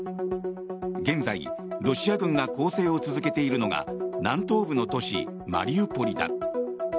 現在、ロシア軍が攻勢を続けているのが南東部の都市マリウポリだ。